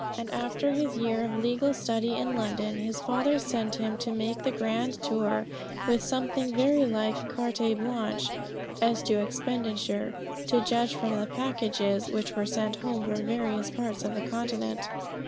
And after his year of legal study in London his father sent him to make the grand tour, with something very like carte blanche as to expenditure, to judge from the packages which were sent home from various parts of the Continent.